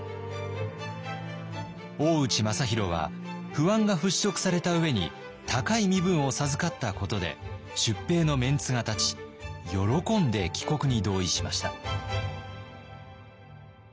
大内政弘は不安が払拭された上に高い身分を授かったことで出兵のメンツが立ち喜んで帰国に同意しました。